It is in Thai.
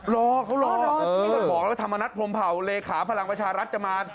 รอเขารอเออไม่ต้องบอกว่าธรรมนัดพรมเผาเหลขาพลังประชารัฐจะมา